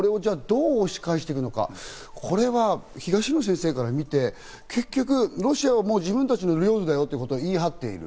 これをどう押し返していくのか、これは東野先生から見て、結局、ロシアは自分たちの領土だよと言い張っている。